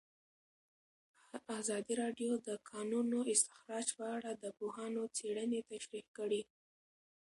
ازادي راډیو د د کانونو استخراج په اړه د پوهانو څېړنې تشریح کړې.